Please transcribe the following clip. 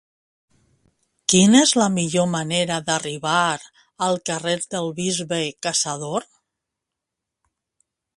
Quina és la millor manera d'arribar al carrer del Bisbe Caçador?